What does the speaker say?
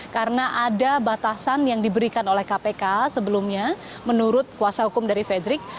karena ada batasan yang diberikan oleh kpk sebelumnya menurut kuasa hukum dari friedrich